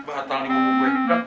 bawa tong di buku gue di blog ya